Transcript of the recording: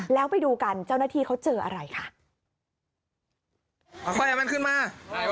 แล้วไปดูกันเจ้าหน้าที่เขาเจออะไรค่ะมันขึ้นมา